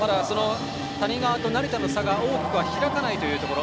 谷川と成田の差が大きくは開かないところ。